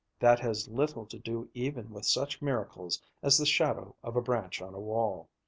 that has little to do even with such miracles as the shadow of a branch on a wall."